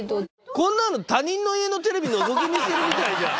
こんなの他人の家のテレビのぞき見してるみたいじゃん。